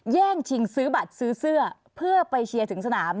แย่งชิงซื้อบัตรซื้อเสื้อเพื่อไปเชียร์ถึงสนาม